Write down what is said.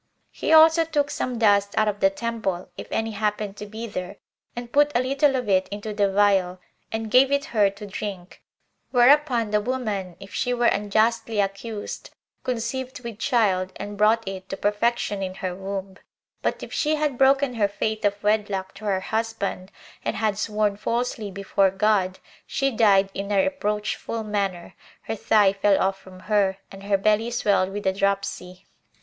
He also took some dust out of the temple, if any happened to be there, and put a little of it into the vial, and gave it her to drink; whereupon the woman, if she were unjustly accused, conceived with child, and brought it to perfection in her womb: but if she had broken her faith of wedlock to her husband, and had sworn falsely before God, she died in a reproachful manner; her thigh fell off from her, and her belly swelled with a dropsy.